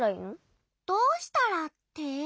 「どうしたら」って？